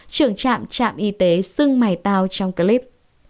trưởng trạm trạm y tế xưng mài tao trong clip